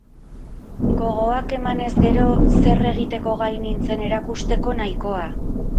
Gogoak emanez gero zer egiteko gai nintzen erakusteko nahikoa.